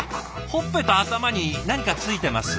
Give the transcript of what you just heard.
ほっぺと頭に何か付いてます。